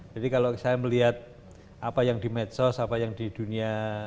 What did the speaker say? jadi kalau saya melihat apa yang di medsos apa yang di dunia